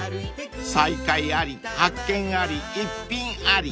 ［再会あり発見あり逸品あり］